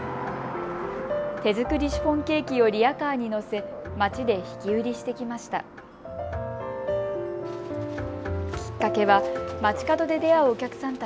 手作りシフォンケーキをリヤカーに載せ街で引き売りしてきました。